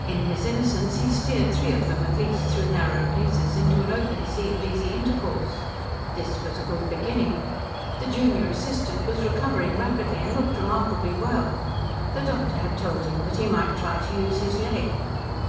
In his innocence he steered three of them, at least, through narrow places into an open sea of easy intercourse. This was a good beginning. The junior assistant was recovering rapidly, and looked remarkably well. The doctor had told him that he might try to use his leg.